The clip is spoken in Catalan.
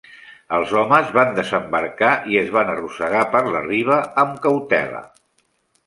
Els homes van desembarcar i es van arrossegar per la riba amb cautela.